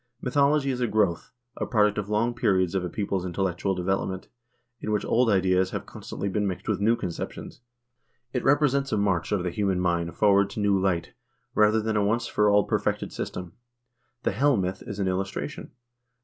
Mythology is a growth, a product of long periods of a people's in tellectual development, in which old ideas have constantly been mixed with new conceptions. It represents a march of the human mind forward to new light, rather than a once for all perfected system. The Hel myth is an illustration.